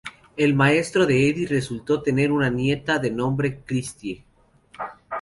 El maestro de Eddy resultó tener una nieta, de nombre Christie.